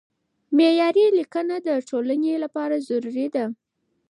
معیاري لیکنه د ټولنې لپاره ضروري ده.